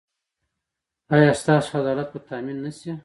ایا ستاسو عدالت به تامین نه شي؟